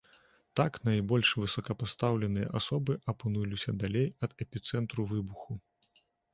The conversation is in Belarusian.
Так найбольш высокапастаўленыя асобы апынуліся далей ад эпіцэнтру выбуху.